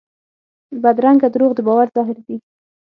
بدرنګه دروغ د باور زهر دي